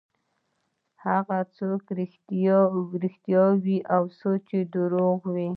هغه که رښتيا وي او که سوچه درواغ وي.